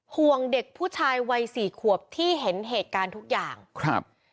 ห่วงเด็กผู้ชายวัยสี่ขวบที่เห็นเหตุการณ์ทุกอย่างครับ